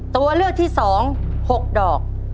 ตัวเลือกที่๒๖ดอก